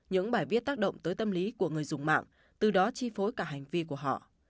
những bài viết tác động tới tâm lý của người dùng mạng từ đó chi phối cả hành vi của họ